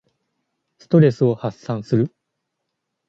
ストレスを発散する。